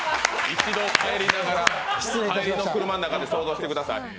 一度、帰りの車の中で想像してください。